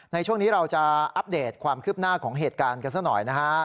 ในช่วงนี้เราจะอัปเดตความคืบหน้าของเหตุการณ์กันซะหน่อยนะฮะ